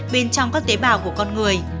bên trong các tế bào của con người